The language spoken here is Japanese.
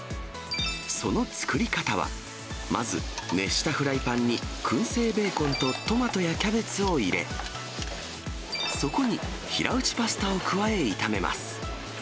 その作り方は、まず熱したフライパンにくん製ベーコンとトマトやキャベツを入れ、そこに平打ちパスタを加え、炒めます。